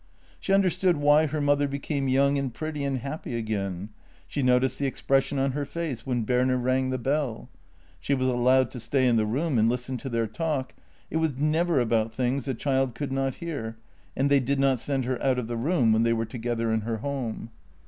She understood why her mother became young and pretty and happy again; she noticed the expression on her face when Berner rang the bell. She was allowed to stay in the room and listen to their talk ; it was never about things the child could not hear, and they did not send her out of the room when they were together in her home.